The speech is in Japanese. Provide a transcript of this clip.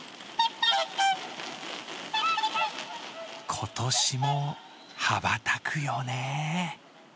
今年も羽ばたくよね。